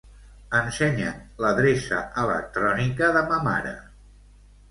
Ensenya'm l'adreça electrònica de ma mare.